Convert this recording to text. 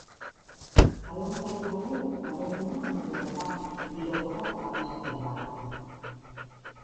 Zalantzarik gabe taberna edo pub giroko abestia da.